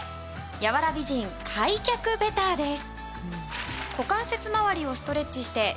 柔ら美人開脚ベターです。